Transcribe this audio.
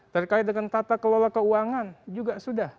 terkait dengan tata kelola keuangan juga sudah